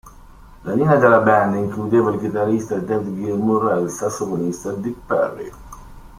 La linea della band includeva il chitarrista David Gilmour e il sassofonista Dick Parry.